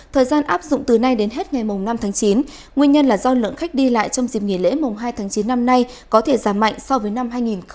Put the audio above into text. thời gian áp dụng từ nay đến hết ngày năm tháng chín nguyên nhân là do lượng khách đi lại trong dịp nghỉ lễ mùng hai tháng chín năm nay có thể giảm mạnh so với năm hai nghìn một mươi chín